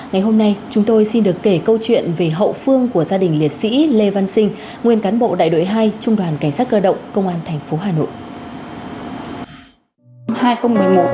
ngày hôm nay chúng tôi xin được kể câu chuyện về hậu phương của gia đình liệt sĩ lê văn sinh nguyên cán bộ đại đội hai trung đoàn cảnh sát cơ động công an tp hà nội